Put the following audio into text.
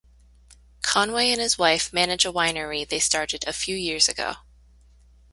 Conway and his wife manage a winery they started a few years ago.